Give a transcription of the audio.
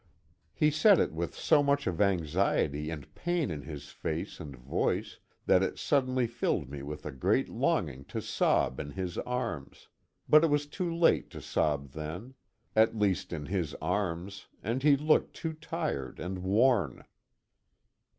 He said it with so much of anxiety and pain in his face and voice that it suddenly filled me with a great longing to sob in his arms, but it was too late to sob then at least in his arms, and he looked too tired and worn.